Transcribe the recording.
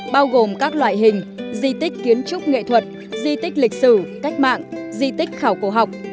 bao gồm các loại hình di tích kiến trúc nghệ thuật di tích lịch sử cách mạng di tích khảo cổ học